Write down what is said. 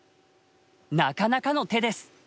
なかなかの手です。